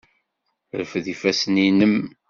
Rfed ifassen-nnem!